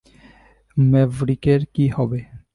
ম্যাভরিকের কী হবে?